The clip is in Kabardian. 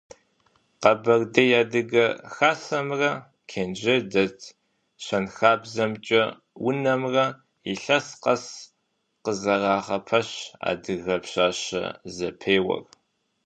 Къэбэрдей адыгэ хасэмрэ Кенжэ дэт щэнхабзэмкӏэ унэмрэ илъэс къэс къызэрагъэпэщ «Адыгэ пщащэ» зэпеуэр.